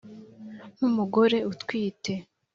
nk umugore utwite